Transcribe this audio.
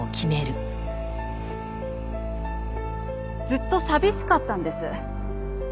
ずっと寂しかったんです。